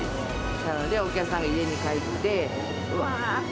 なので、お客さんが家に帰って、うわーって、